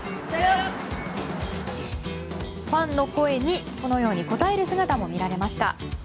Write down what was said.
ファンの声にこのように応える姿も見られました。